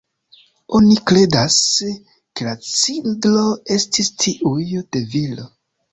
Oni kredas ke la cindro estis tiuj de viro.